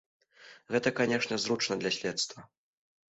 Гэта, канешне, зручна для следства.